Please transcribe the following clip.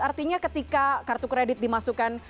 artinya ketika kartu kredit dimasukkan